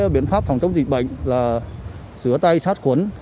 biện pháp phòng chống dịch bệnh là sửa tay sát cuốn